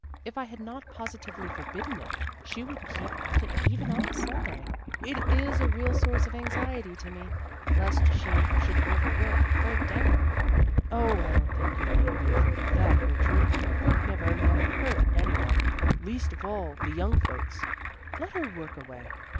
If I had not positively forbidden it, she would keep at it even on a Sunday. It is a real source of anxiety to me, lest she should over work and break down." "Oh, I don't think you need be afraid of that, Gertrude; work never yet hurt any one, least of all the young folks. Let her work away.